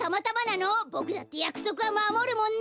ボクだってやくそくはまもるもんね！